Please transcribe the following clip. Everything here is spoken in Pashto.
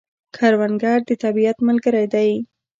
کروندګر د طبیعت ملګری دی